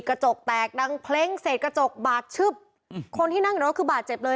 กระจกแตกดังเพล้งเศษกระจกบาดชึบคนที่นั่งอยู่รถคือบาดเจ็บเลย